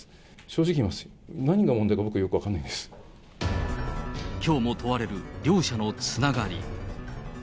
正直言います、何が問題か、きょうも問われる両者のつながり。